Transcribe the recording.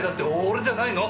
俺じゃないの。